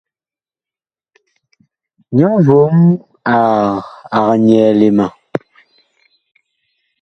Nyɔ vom ag nyɛɛle ma.